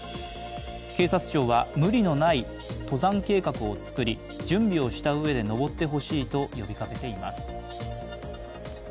警察庁は、無理のない登山計画を作り準備をしたうえで登ってほしいと呼びかけています。